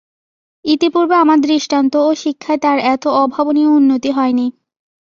ইতিপূর্বে আমার দৃষ্টান্ত ও শিক্ষায় তার এত অভাবনীয় উন্নতি হয় নি।